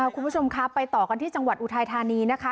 คุณผู้ชมครับไปต่อกันที่จังหวัดอุทัยธานีนะคะ